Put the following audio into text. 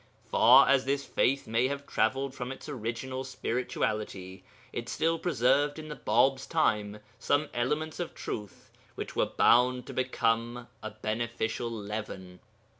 Far as this faith may have travelled from its original spirituality, it still preserved in the Bāb's time some elements of truth which were bound to become a beneficial leaven.